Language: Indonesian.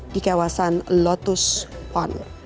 di kawasan lotus pond